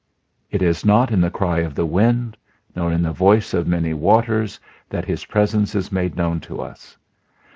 It is not in the cry of the wind, nor in the voice of many waters that His presence is made known to us.